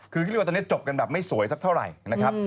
คือเขาเรียกว่าตอนนี้จบกันแบบไม่สวยสักเท่าไหร่นะครับ